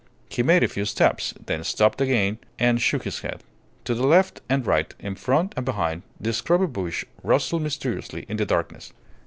He made a few steps, then stopped again and shook his head. To the left and right, in front and behind him, the scrubby bush rustled mysteriously in the darkness.